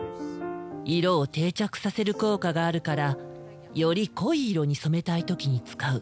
色を定着させる効果があるからより濃い色に染めたい時に使う。